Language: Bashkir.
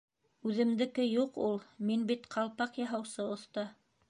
— Үҙемдеке юҡ ул, мин бит Ҡалпаҡ Яһаусы Оҫта.